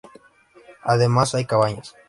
Además, hay cabañas.